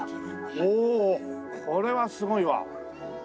おおこれはすごいわ。